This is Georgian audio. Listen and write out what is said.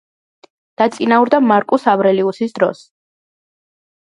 დაწინაურდა მარკუს ავრელიუსის დროს დროს.